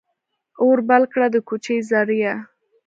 اور بل کړه ، د کوچي زریه !